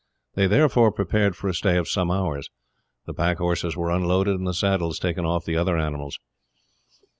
They therefore prepared for a stay of some hours. The pack horses were unloaded, and the saddles taken off the other animals.